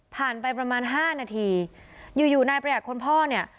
ผ่านไปประมาณห้านาทีอยู่อยู่ในประหยักษ์คนพ่อเนี้ย